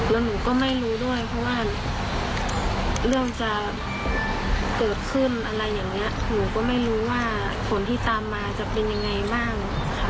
หนูก็ไม่รู้ว่าผลที่ตามมาจะเป็นยังไงบ้าง